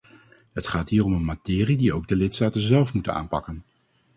Het gaat hier om een materie die ook de lidstaten zelf moeten aanpakken.